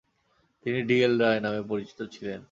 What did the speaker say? তিনি D. L. Roy নামেও পরিচিত ছিলেন।